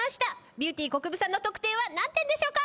ビューティーこくぶさんの得点は何点でしょうか？